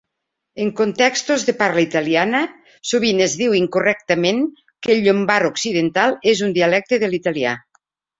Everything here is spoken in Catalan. En contextos de parla italiana, sovint es diu incorrectament que el llombard occidental és un dialecte de l'italià.